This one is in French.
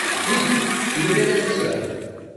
Oui ! ce devait être cela.